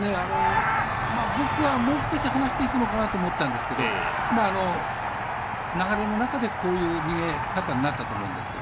僕はもう少し離していくのかなと思ったんですけど流れの中で、こういう逃げ方になったと思うんですけど。